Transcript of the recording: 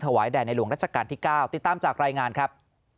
แห่ในหลวงรัชกาลที่๙ติดตามจากรายงานครับ